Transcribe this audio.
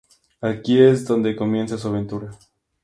Aquí es donde comienza su aventura.